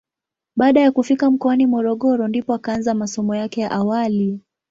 Baada ya kufika mkoani Morogoro ndipo akaanza masomo yake ya awali.